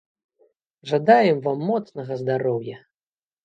Жадаем вам моцнага здароўя!